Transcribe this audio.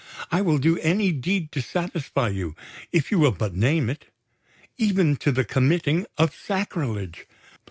I will do any deed to satisfy you, if you will but name it even to the committing of sacrilege!